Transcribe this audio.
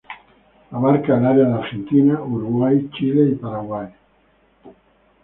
Abarca el área de Argentina, Uruguay, Chile y Paraguay.